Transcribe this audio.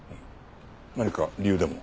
何か理由でも？